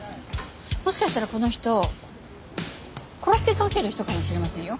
もしかしたらこの人コロッケ関係の人かもしれませんよ。